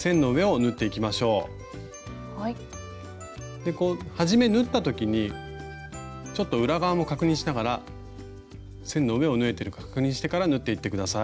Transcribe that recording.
でこうはじめ縫った時にちょっと裏側も確認しながら線の上を縫えてるか確認してから縫っていって下さい。